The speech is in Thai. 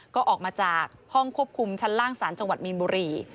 ก็ออกมาจากห้องควบคุมชั้นล่างสารจังหวัดมีนบุรี